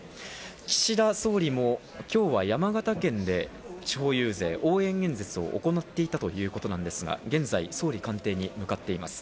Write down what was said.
岸田総理も今日は山形県で地方遊説、応援演説を行っていたということなんですが、現在、総理官邸に向かっています。